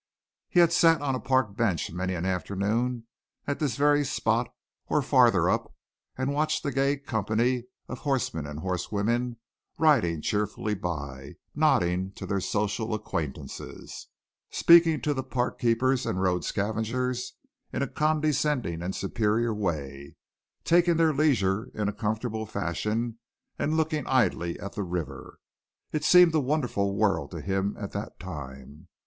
He had sat on a park bench many an afternoon at this very spot or farther up, and watched the gay company of horsemen and horsewomen riding cheerfully by, nodding to their social acquaintances, speaking to the park keepers and road scavengers in a condescending and superior way, taking their leisure in a comfortable fashion and looking idly at the river. It seemed a wonderful world to him at that time.